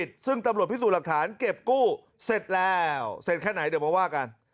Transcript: ซึ่งตำรวจพิสูจน์หลักฐานเก็บกู้เสร็จแล้วเสร็จแค่ไหนเดี๋ยวมาว่ากัน